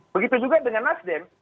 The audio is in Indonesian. begitu juga dengan nasdem